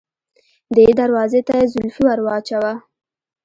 دې دروازې ته زولفی ور واچوه.